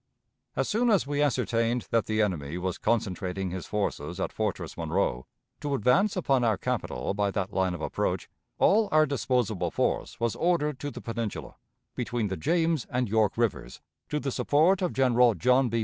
As soon as we ascertained that the enemy was concentrating his forces at Fortress Monroe, to advance upon our capital by that line of approach, all our disposable force was ordered to the Peninsula, between the James and York Rivers, to the support of General John B.